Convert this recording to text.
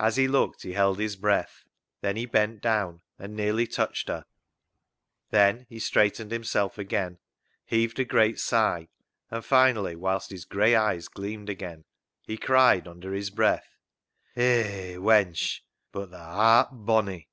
As he looked he held his breath. Then he bent down and nearly touched her. Then he straightened himself again, heaved a great sigh, and finally, whilst his grey eyes gleamed again, he cried under his breath —" H e y wench, but tha aj't bonny